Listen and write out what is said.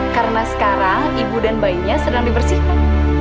karena sekarang ibu dan bayinya sedang dibersihkan